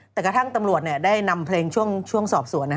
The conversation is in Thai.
แต่กระทั่งตำรวจได้นำเพลงช่วงสอบสวน